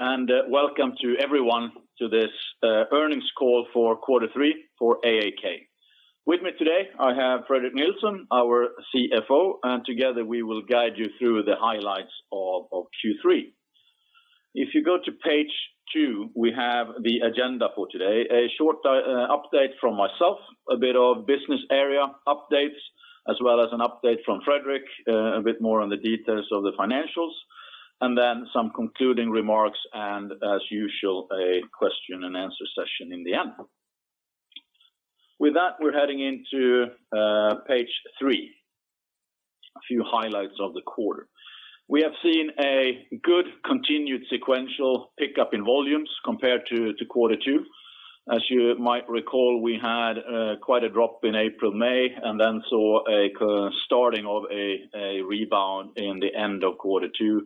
Welcome to everyone to this earnings call for quarter three for AAK. With me today, I have Fredrik Nilsson, our CFO, and together we will guide you through the highlights of Q3. If you go to page two, we have the agenda for today. A short update from myself, a bit of business area updates, as well as an update from Fredrik, a bit more on the details of the financials, and then some concluding remarks and, as usual, a question and answer session in the end. With that, we're heading into page three, a few highlights of the quarter. We have seen a good continued sequential pickup in volumes compared to quarter two. As you might recall, we had quite a drop in April, May, and then saw a starting of a rebound in the end of quarter two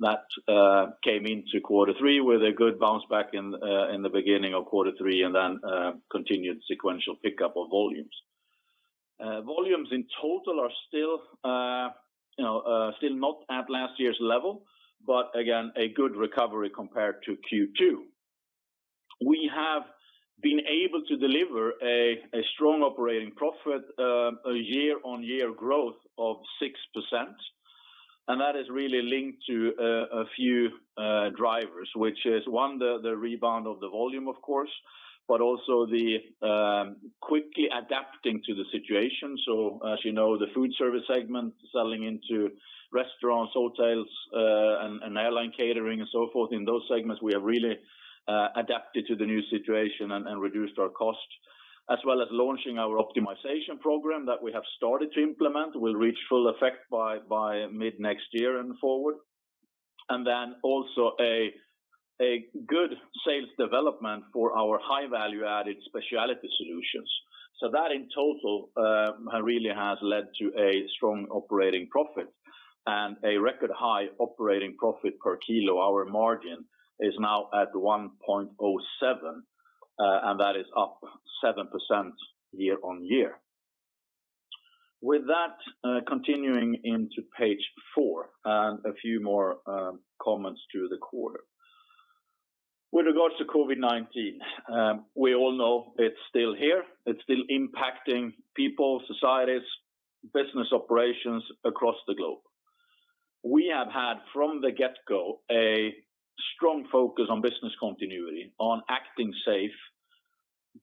that came into quarter three with a good bounce back in the beginning of quarter three and then continued sequential pickup of volumes. Volumes in total are still not at last year's level, but again, a good recovery compared to Q2. We have been able to deliver a strong operating profit, a year-on-year growth of 6%, and that is really linked to a few drivers, which is one, the rebound of the volume, of course, but also the quickly adapting to the situation. As you know, the Foodservice segment, selling into restaurants, hotels, and airline catering and so forth, in those segments, we have really adapted to the new situation and reduced our cost, as well as launching our optimization program that we have started to implement, will reach full effect by mid-next year and forward. Also a good sales development for our high value-added specialty solutions. That in total really has led to a strong operating profit and a record high operating profit per kilo. Our margin is now at 1.07, that is up 7% year-on-year. With that, continuing into page four and a few more comments to the quarter. With regards to COVID-19, we all know it's still here. It's still impacting people, societies, business operations across the globe. We have had, from the get-go, a strong focus on business continuity, on acting safe,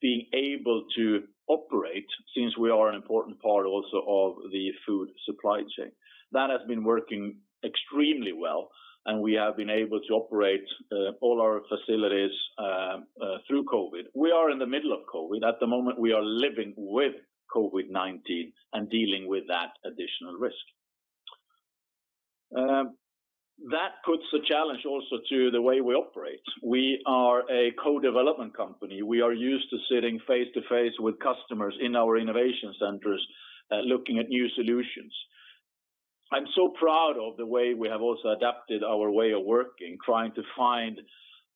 being able to operate since we are an important part also of the food supply chain. That has been working extremely well, and we have been able to operate all our facilities through COVID. We are in the middle of COVID. At the moment, we are living with COVID-19 and dealing with that additional risk. That puts a challenge also to the way we operate. We are a co-development company. We are used to sitting face-to-face with customers in our innovation centers, looking at new solutions. I'm so proud of the way we have also adapted our way of working, trying to find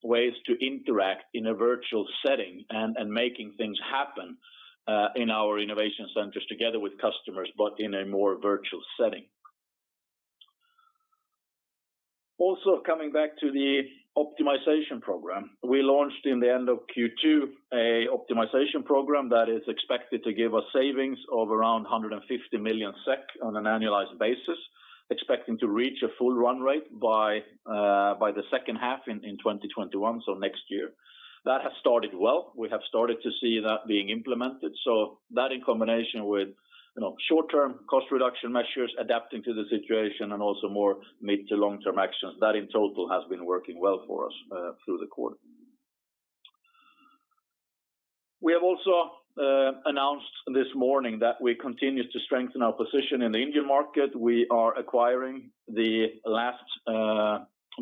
ways to interact in a virtual setting and making things happen in our innovation centers together with customers, but in a more virtual setting. Also, coming back to the optimization program. We launched in the end of Q2 a optimization program that is expected to give us savings of around 150 million SEK on an annualized basis, expecting to reach a full run rate by the second half in 2021, so next year. That has started well. We have started to see that being implemented. That in combination with short-term cost reduction measures, adapting to the situation, and also more mid to long-term actions, that in total has been working well for us through the quarter. We have also announced this morning that we continue to strengthen our position in the Indian market. We are acquiring the last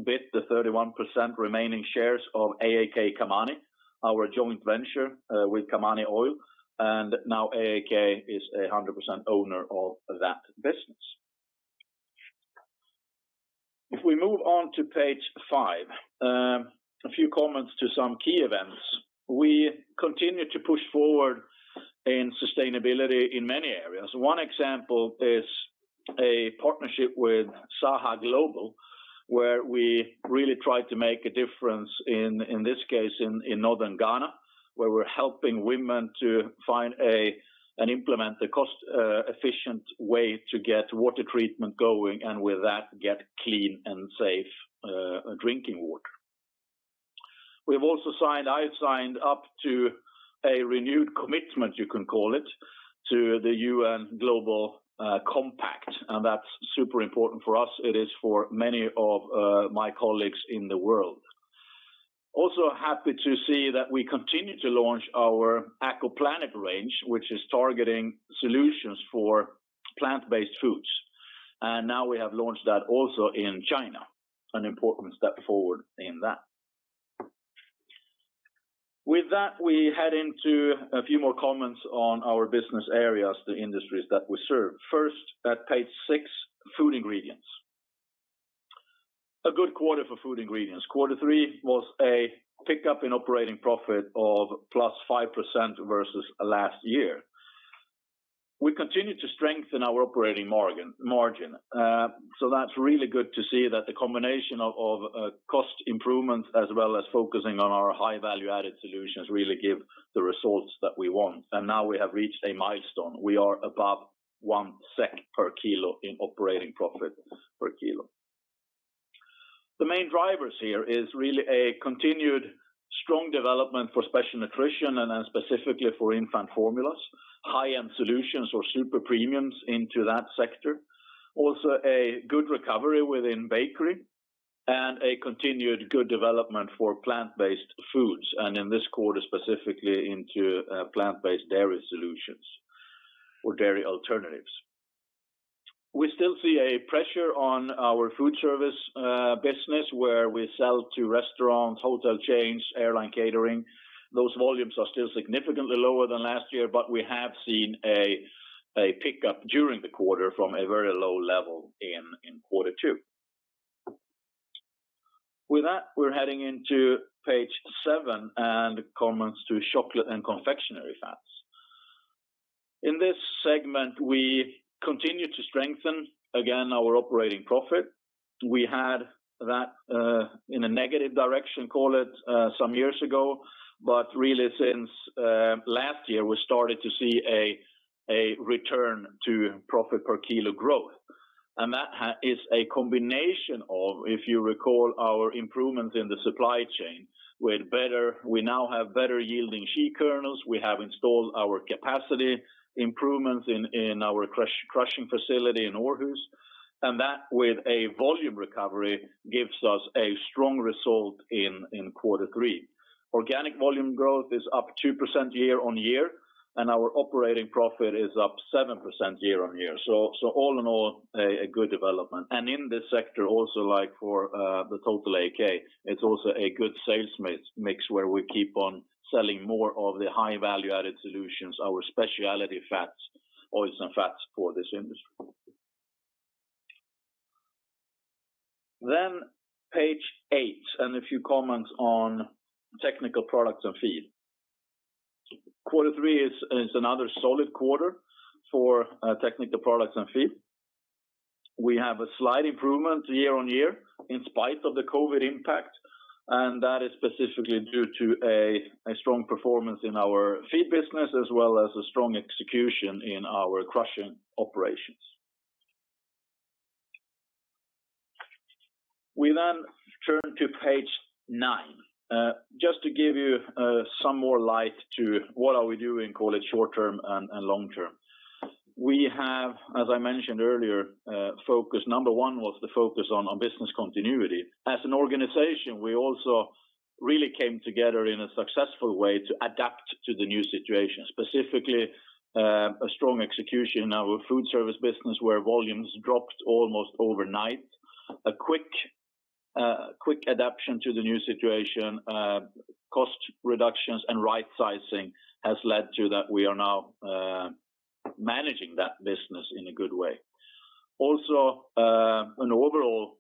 bit, the 31% remaining shares of AAK Kamani, our joint venture with Kamani Oil, and now AAK is 100% owner of that business. If we move on to page five, a few comments to some key events. We continue to push forward in sustainability in many areas. One example is a partnership with Saha Global, where we really try to make a difference, in this case, in Northern Ghana, where we're helping women to find and implement the cost-efficient way to get water treatment going, and with that, get clean and safe drinking water. I signed up to a renewed commitment, you can call it, to the UN Global Compact, that's super important for us. It is for many of my colleagues in the world. Also happy to see that we continue to launch our AkoPlanet range, which is targeting solutions for plant-based foods. Now we have launched that also in China, an important step forward in that. With that, we head into a few more comments on our business areas, the industries that we serve. First, at page six, Food Ingredients. A good quarter for Food Ingredients. Quarter three was a pickup in operating profit of plus 5% versus last year. We continue to strengthen our operating margin. That's really good to see that the combination of cost improvements, as well as focusing on our high value-added solutions, really give the results that we want. Now we have reached a milestone. We are above 1 SEK per kilo in operating profit per kilo. The main drivers here is really a continued strong development for Special Nutrition and then specifically for Infant Formulas, high-end solutions or super premiums into that sector. Also, a good recovery within Bakery and a continued good development for Plant-Based Foods, and in this quarter, specifically into Plant-Based Dairy solutions or Dairy Alternatives. We still see a pressure on our Foodservice business, where we sell to restaurants, hotel chains, airline catering. Those volumes are still significantly lower than last year, but we have seen a pickup during the quarter from a very low-level in quarter two. With that, we're heading into page seven and comments to Chocolate and Confectionery Fats. In this segment, we continue to strengthen, again, our operating profit. We had that in a negative direction, call it, some years ago, but really since last year, we started to see a return to profit per kilo growth. That is a combination of, if you recall, our improvements in the supply chain with better yielding shea kernels. We have installed our capacity improvements in our crushing facility in Aarhus, and that with a volume recovery gives us a strong result in quarter three. Organic volume growth is up 2% year-on-year, and our operating profit is up 7% year-on-year. All in all, a good development. In this sector also like for the total AAK, it's also a good sales mix, where we keep on selling more of the high value-added solutions, our specialty fats, oils, and fats for this industry. Page eight and a few comments on Technical Products and Feed. Quarter three is another solid quarter for Technical Products and Feed. We have a slight improvement year-on-year in spite of the COVID-19 impact, that is specifically due to a strong performance in our Feed business, as well as a strong execution in our crushing operations. We turn to page nine. Just to give you some more light to what are we doing, call it, short-term and long-term. We have, as I mentioned earlier, focus number one was the focus on our business continuity. As an organization, we also really came together in a successful way to adapt to the new situation, specifically a strong execution in our Foodservice business, where volumes dropped almost overnight. A quick adaption to the new situation, cost reductions, and right sizing has led to that we are now managing that business in a good way. Also an overall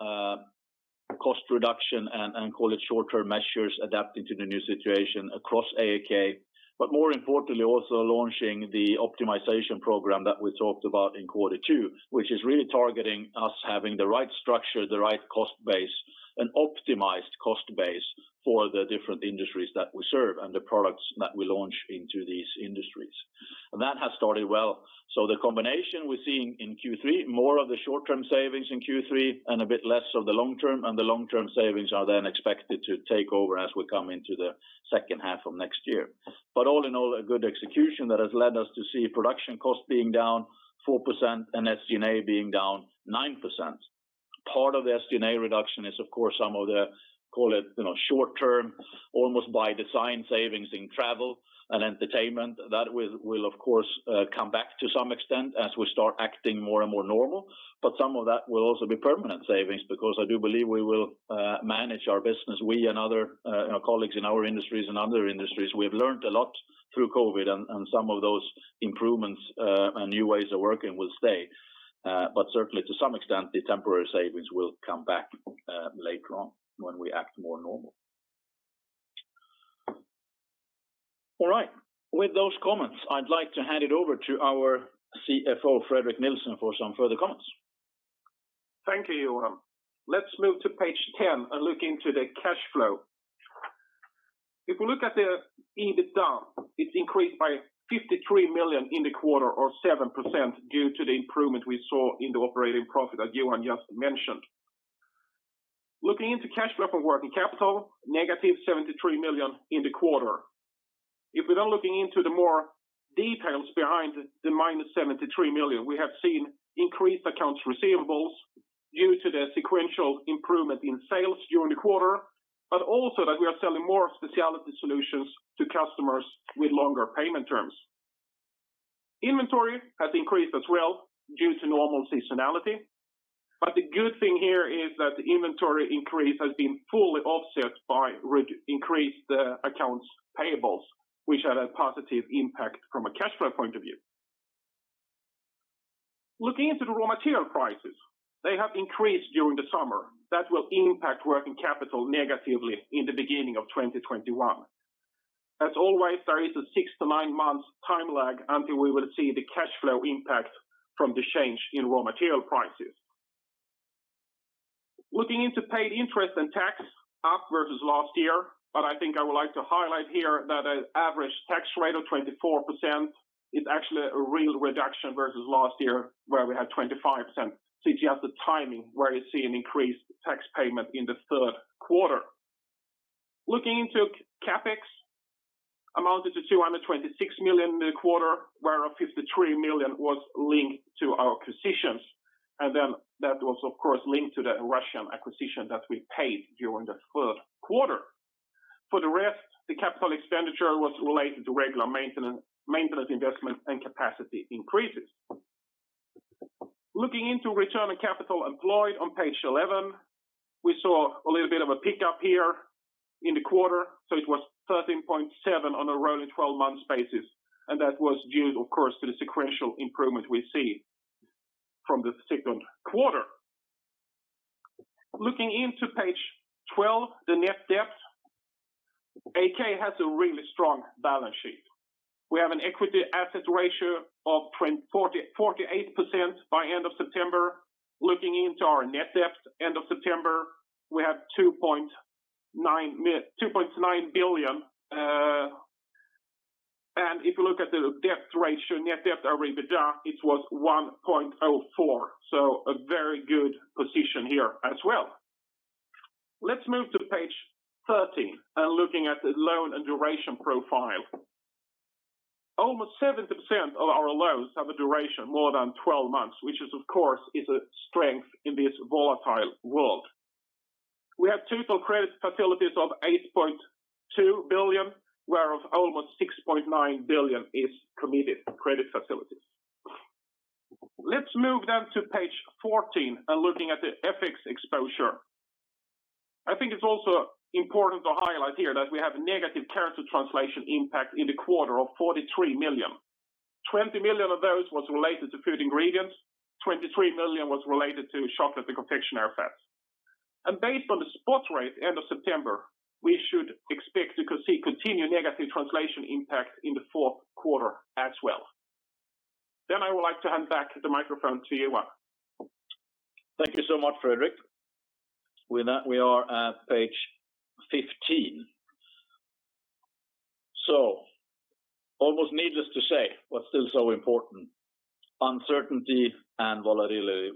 cost reduction and, call it, short-term measures adapting to the new situation across AAK, but more importantly, also launching the optimization program that we talked about in quarter two, which is really targeting us having the right structure, the right cost base, an optimized cost base for the different industries that we serve and the products that we launch into these industries. That has started well. The combination we're seeing in Q3, more of the short-term savings in Q3 and a bit less of the long-term, and the long-term savings are then expected to take over as we come into the second half of next year. All in all, a good execution that has led us to see production costs being down 4% and SG&A being down 9%. Part of the SG&A reduction is, of course, some of the, call it, short-term, almost by design, savings in travel and entertainment. That will, of course, come back to some extent as we start acting more and more normal. Some of that will also be permanent savings because I do believe we will manage our business, we and other colleagues in our industries and other industries. We have learned a lot through COVID, and some of those improvements and new ways of working will stay. Certainly, to some extent, the temporary savings will come back later on when we act more normal. All right. With those comments, I'd like to hand it over to our CFO, Fredrik Nilsson, for some further comments. Thank you, Johan. Let's move to page 10 and look into the cash flow. If we look at the EBITDA, it increased by 53 million in the quarter or 7% due to the improvement we saw in the operating profit that Johan just mentioned. Looking into cash flow from working capital, -73 million in the quarter. If we're now looking into the more details behind the -73 million, we have seen increased accounts receivables due to the sequential improvement in sales during the quarter, but also that we are selling more specialty solutions to customers with longer payment terms. Inventory has increased as well due to normal seasonality, but the good thing here is that the inventory increase has been fully offset by increased accounts payables, which had a positive impact from a cash flow point of view. Looking into the raw material prices, they have increased during the summer. That will impact working capital negatively in the beginning of 2021. As always, there is a six to nine months time lag until we will see the cash flow impact from the change in raw material prices. Looking into paid interest and tax, up versus last year, but I think I would like to highlight here that an average tax rate of 24% is actually a real reduction versus last year, where we had 25%, since you have the timing where you see an increased tax payment in the third quarter. Looking into CapEx, amounted to 226 million in the quarter, whereof 53 million was linked to our acquisitions. That was, of course, linked to that Russian acquisition that we paid during the third quarter. For the rest, the capital expenditure was related to regular maintenance investment and capacity increases. Looking into return on capital employed on page 11, we saw a little bit of a pickup here in the quarter. It was 13.7 on a rolling 12 months basis. That was due, of course, to the sequential improvement we see from the second quarter. Looking into page 12, the net debt. AAK has a really strong balance sheet. We have an equity asset ratio of 48% by end of September. Looking into our net debt end of September, we have 2.9 billion. If you look at the debt ratio, net debt to EBITDA, it was 1.04x. A very good position here as well. Let's move to page 13 and looking at the loan and duration profile. Almost 70% of our loans have a duration more than 12 months, which of course, is a strength in this volatile world. We have total credit facilities of 8.2 billion, whereof almost 6.9 billion is committed credit facilities. Let's move to page 14 and looking at the FX exposure. I think it's also important to highlight here that we have negative currency translation impact in the quarter of 43 million. 20 million of those was related to Food Ingredients, 23 million was related to Chocolate and Confectionery Fats. Based on the spot rate end of September, we should expect to see continued negative translation impact in the fourth quarter as well. I would like to hand back the microphone to Johan. Thank you so much, Fredrik. With that, we are at page 15. Almost needless to say, but still so important, uncertainty and volatility,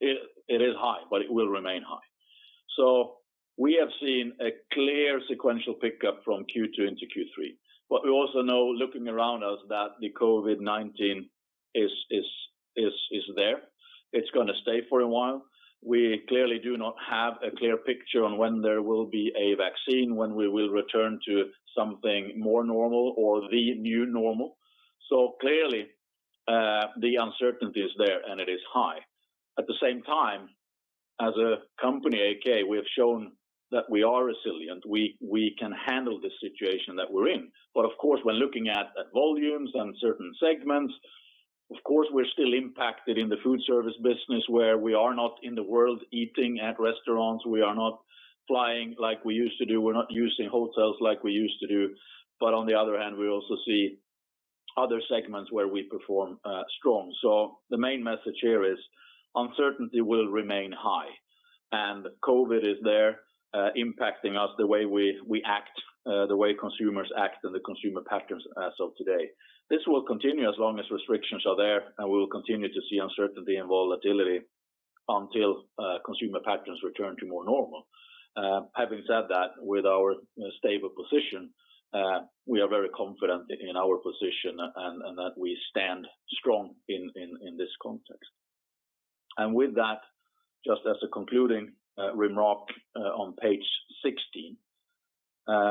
it is high, but it will remain high. We have seen a clear sequential pickup from Q2 into Q3. We also know, looking around us, that the COVID-19 is there. It's going to stay for a while. We clearly do not have a clear picture on when there will be a vaccine, when we will return to something more normal or the new normal. Clearly, the uncertainty is there, and it is high. At the same time, as a company, AAK, we have shown that we are resilient. We can handle the situation that we're in. Of course, when looking at volumes and certain segments, of course, we're still impacted in the Foodservice business where we are not in the world eating at restaurants, we are not flying like we used to do, we're not using hotels like we used to do. On the other hand, we also see other segments where we perform strong. The main message here is uncertainty will remain high, and COVID is there impacting us, the way we act, the way consumers act, and the consumer patterns as of today. This will continue as long as restrictions are there, and we will continue to see uncertainty and volatility until consumer patterns return to more normal. Having said that, with our stable position, we are very confident in our position and that we stand strong in this context. With that, just as a concluding remark on page 16,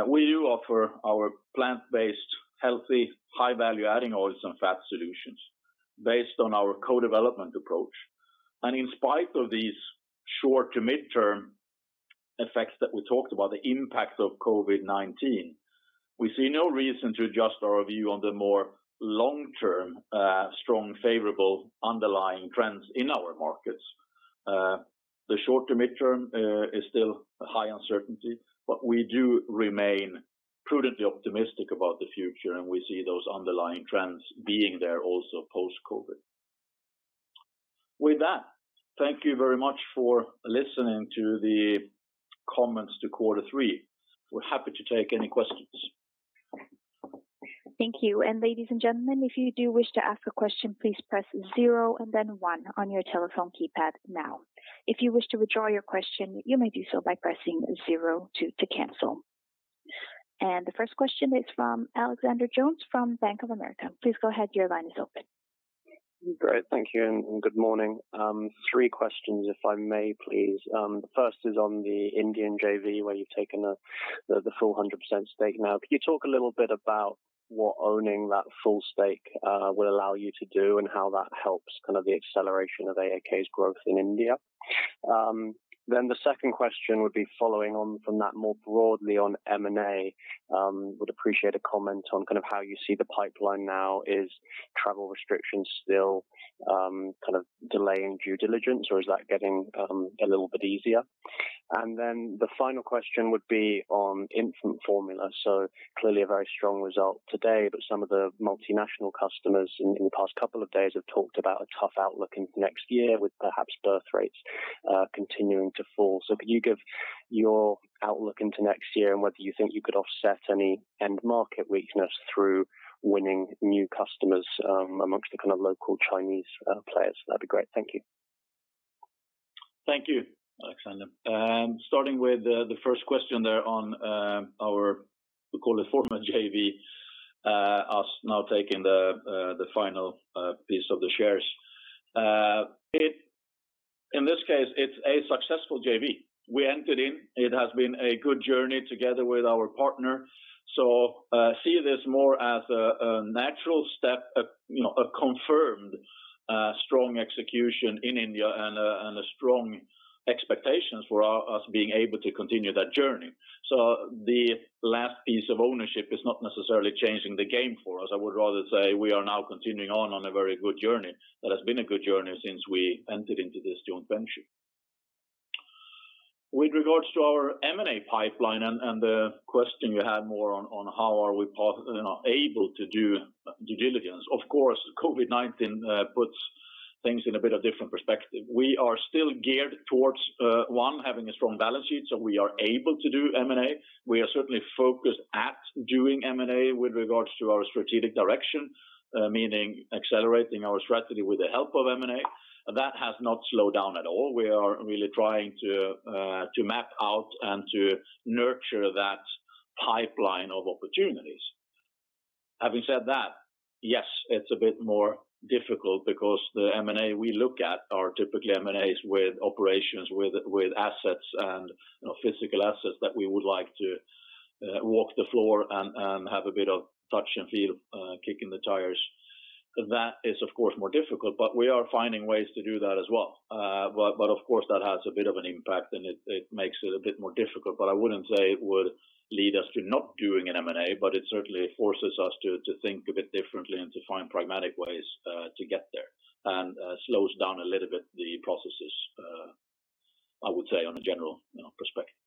we do offer our plant-based, healthy, high-value adding oils and fat solutions based on our co-development approach. In spite of these short to midterm effects that we talked about, the impact of COVID-19, we see no reason to adjust our view on the more long-term, strong, favorable, underlying trends in our markets. The short to midterm is still a high uncertainty, but we do remain prudently optimistic about the future, and we see those underlying trends being there also post-COVID. With that, thank you very much for listening to the comments to quarter three. We are happy to take any questions. Thank you. Ladies and gentlemen, if you do wish to ask a question, please press zero and then one on your telephone keypad now. If you wish to withdraw your question, you may do so by pressing zero to cancel. The first question is from Alexander Jones from Bank of America. Please go ahead, your line is open. Great. Thank you, and good morning. Three questions if I may, please. The first is on the Indian JV, where you've taken the full 100% stake now. Can you talk a little bit about what owning that full stake will allow you to do and how that helps the acceleration of AAK's growth in India? The second question would be following on from that more broadly on M&A. Would appreciate a comment on how you see the pipeline now. Is travel restrictions still delaying due diligence, or is that getting a little bit easier? The final question would be on Infant Formula. Clearly a very strong result today, but some of the multinational customers in the past couple of days have talked about a tough outlook into next year with perhaps birth rates continuing to fall. Could you give your outlook into next year and whether you think you could offset any end market weakness through winning new customers amongst the local Chinese players? That'd be great. Thank you. Thank you, Alexander. Starting with the first question there on our, we call it former JV, us now taking the final piece of the shares. In this case, it's a successful JV. We entered in. It has been a good journey together with our partner. See this more as a natural step, a confirmed strong execution in India and a strong expectations for us being able to continue that journey. The last piece of ownership is not necessarily changing the game for us. I would rather say we are now continuing on a very good journey that has been a good journey since we entered into this joint venture. With regards to our M&A pipeline and the question you had more on how are we able to do due diligence, of course, COVID-19 puts things in a bit of different perspective. We are still geared towards, one, having a strong balance sheet, so we are able to do M&A. We are certainly focused at doing M&A with regards to our strategic direction, meaning accelerating our strategy with the help of M&A. That has not slowed down at all. We are really trying to map out and to nurture that pipeline of opportunities. Having said that, yes, it's a bit more difficult because the M&A we look at are typically M&As with operations, with assets and physical assets that we would like to walk the floor and have a bit of touch and feel, kicking the tires. That is of course more difficult, but we are finding ways to do that as well. Of course, that has a bit of an impact, and it makes it a bit more difficult, but I wouldn't say it would lead us to not doing an M&A, but it certainly forces us to think a bit differently and to find pragmatic ways to get there and slows down a little bit the processes, I would say on a general perspective.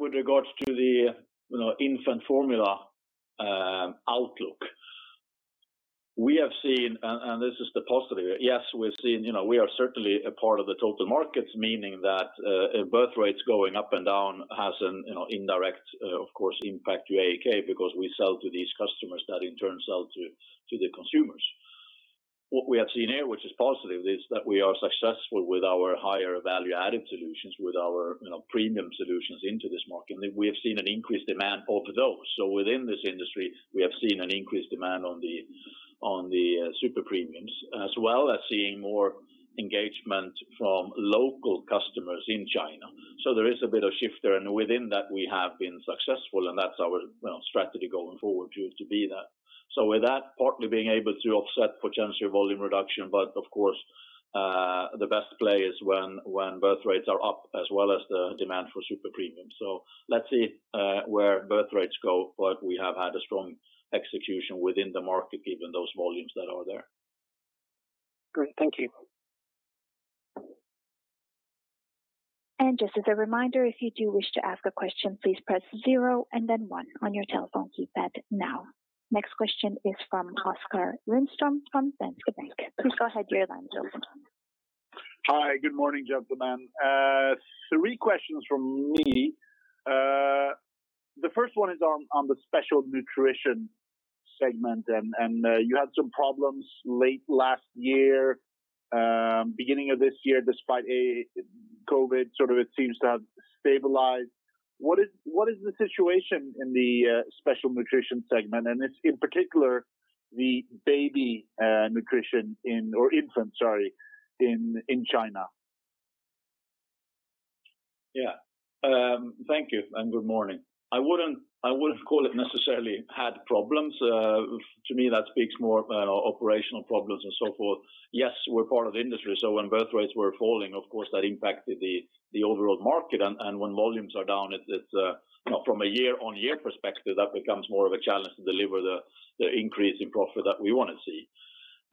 With regards to the Infant Formula outlook. We have seen, and this is the positive, yes, we are certainly a part of the total markets, meaning that birth rates going up and down has an indirect, of course, impact to AAK because we sell to these customers that in turn sell to the consumers. What we have seen here, which is positive, is that we are successful with our higher value-added solutions, with our premium solutions into this market, and we have seen an increased demand for those. Within this industry, we have seen an increased demand on the super premiums, as well as seeing more engagement from local customers in China. There is a bit of shift there, and within that, we have been successful, and that's our strategy going forward to be that. With that partly being able to offset potential volume reduction, but of course, the best play is when birth rates are up as well as the demand for super premium. Let's see where birth rates go, but we have had a strong execution within the market, given those volumes that are there. Great. Thank you. Just as a reminder, if you do wish to ask a question, please press zero and then one on your telephone keypad now. Next question is from Oskar Lindström from Danske Bank. Please go ahead, your line's open. Hi, good morning, gentlemen. Three questions from me. The first one is on the Special Nutrition segment, and you had some problems late last year, beginning of this year, despite COVID, it seems to have stabilized. What is the situation in the Special Nutrition segment? It's in particular the Baby Nutrition or Infant, sorry, in China. Yeah. Thank you, good morning. I wouldn't call it necessarily had problems. To me, that speaks more operational problems and so forth. We're part of the industry, when birth rates were falling, of course, that impacted the overall market, when volumes are down, from a year-on-year perspective, that becomes more of a challenge to deliver the increase in profit that we want to see.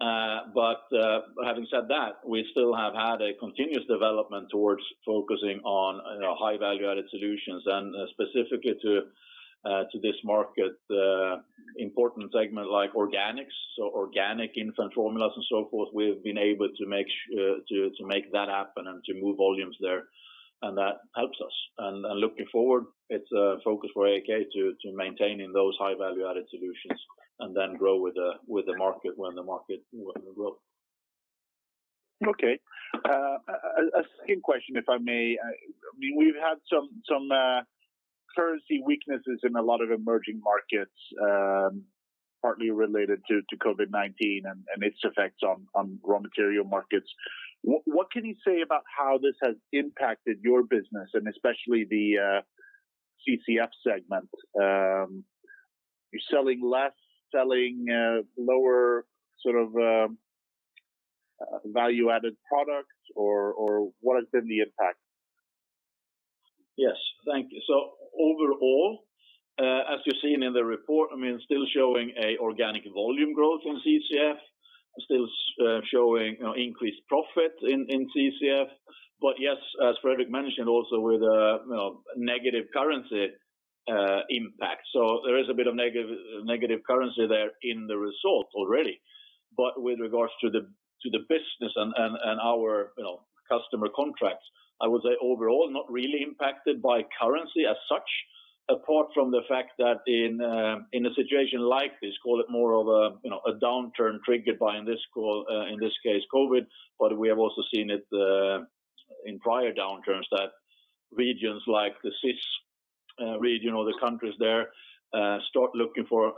Having said that, we still have had a continuous development towards focusing on high value-added solutions, specifically to this market, important segment like organics, organic Infant Formulas and so forth. We've been able to make that happen to move volumes there, that helps us. Looking forward, it's a focus for AAK to maintaining those high value-added solutions then grow with the market when the market will grow. Okay. A second question, if I may. We've had some currency weaknesses in a lot of emerging markets, partly related to COVID-19 and its effects on raw material markets. What can you say about how this has impacted your business and especially the CCF segment? You're selling less, selling lower value-added products, or what has been the impact? Yes. Thank you. Overall, as you're seeing in the report, still showing a organic volume growth in CCF, still showing increased profit in CCF. Yes, as Fredrik mentioned also with negative currency impact. There is a bit of negative currency there in the result already. With regards to the business and our customer contracts, I would say overall, not really impacted by currency as such, apart from the fact that in a situation like this, call it more of a downturn triggered by, in this case, COVID, but we have also seen it in prior downturns that regions like the CIS region or the countries there, start looking for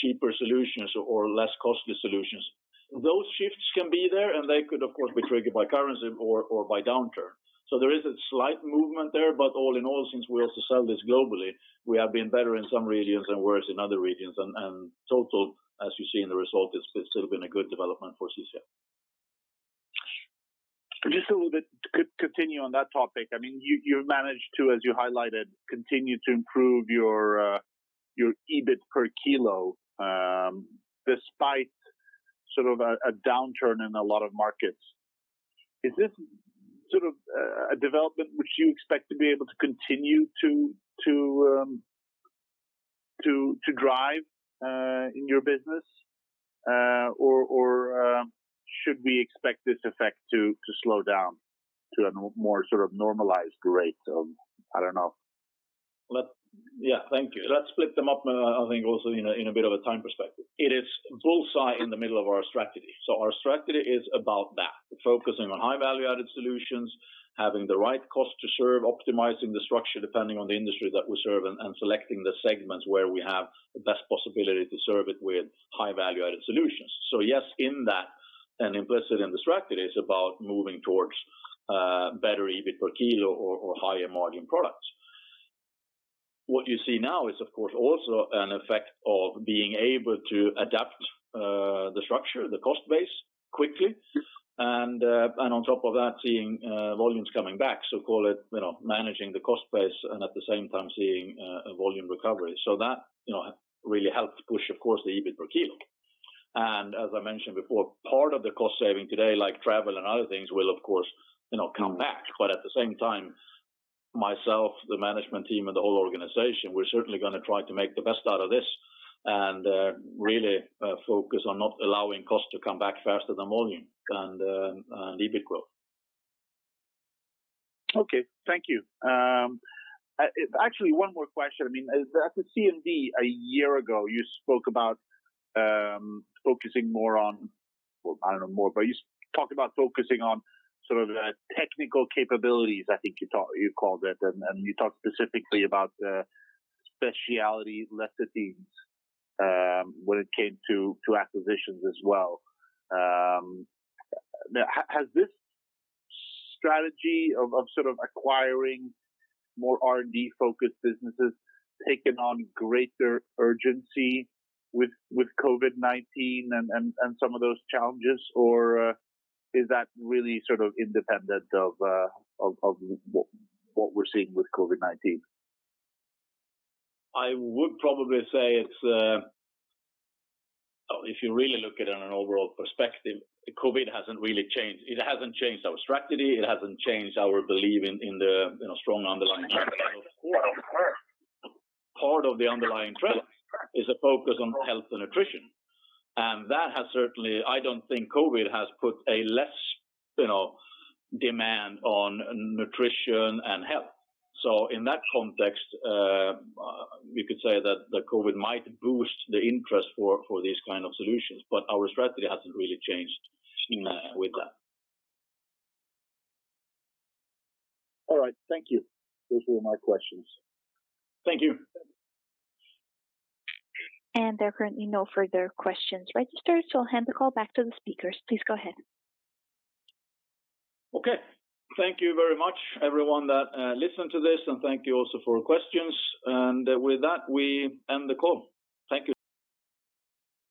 cheaper solutions or less costly solutions. Those shifts can be there, and they could, of course, be triggered by currency or by downturn. There is a slight movement there, but all in all, since we also sell this globally, we have been better in some regions and worse in other regions, and total, as you see in the result, it has still been a good development for CCF. Just a little bit, continue on that topic. You've managed to, as you highlighted, continue to improve your EBIT per kilo, despite a downturn in a lot of markets. Is this a development which you expect to be able to continue to drive in your business? Should we expect this effect to slow down to a more normalized rate of, I don't know? Yeah. Thank you. Let's split them up, I think also in a bit of a time perspective. It is bullseye in the middle of our strategy. Our strategy is about that. Focusing on high value-added solutions, having the right cost to serve, optimizing the structure depending on the industry that we serve, and selecting the segments where we have the best possibility to serve it with high value-added solutions. Yes, in that, and implicit in the strategy is about moving towards better EBIT per kilo or higher margin products. What you see now is, of course, also an effect of being able to adapt the structure, the cost base quickly, and on top of that, seeing volumes coming back. Call it managing the cost base and at the same time seeing a volume recovery. That really helped push, of course, the EBIT per kilo. As I mentioned before, part of the cost saving today, like travel and other things, will, of course, come back. At the same time, myself, the management team, and the whole organization, we're certainly going to try to make the best out of this, and really focus on not allowing costs to come back faster than volume and the EBIT growth. Okay. Thank you. Actually, one more question. At the CMD a year ago, you spoke about focusing more on, I don't know, more, but you talked about focusing on technical capabilities, I think you called it, and you talked specifically about the speciality lecithin when it came to acquisitions as well. Has this strategy of acquiring more R&D-focused businesses taken on greater urgency with COVID-19 and some of those challenges, or is that really independent of what we're seeing with COVID-19? I would probably say if you really look at it in an overall perspective, COVID hasn't really changed. It hasn't changed our strategy. It hasn't changed our belief in the strong underlying trends. Part of the underlying trend is a focus on health and nutrition. I don't think COVID has put a less demand on nutrition and health. In that context, you could say that COVID might boost the interest for these kind of solutions, but our strategy hasn't really changed with that. All right. Thank you. Those were my questions. Thank you. There are currently no further questions registered, so I'll hand the call back to the speakers. Please go ahead. Okay. Thank you very much, everyone that listened to this. Thank you also for questions. With that, we end the call. Thank you.